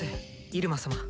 入間様。